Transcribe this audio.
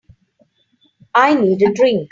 I need a drink.